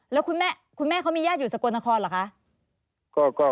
แล้วคุณแม่เขามีญาติอยู่สกลนครเหรอคะ